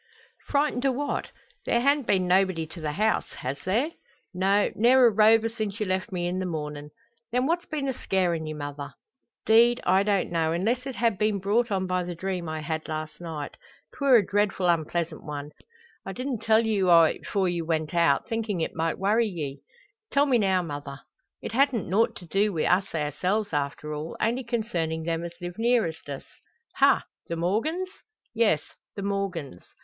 "Frightened o' what? There han't been nobody to the house has there?" "No; ne'er a rover since you left me in the mornin'." "Then what's been a scarin' ye, mother?" "'Deed, I don't know, unless it ha' been brought on by the dream I had last night. 'Twer' a dreadful unpleasant one. I didn't tell you o' it 'fore ye went out, thinkin' it might worry ye." "Tell me now, mother." "It hadn't nought to do wi' us ourselves, after all. Only concernin' them as live nearest us." "Ha! the Morgans?" "Yes; the Morgans."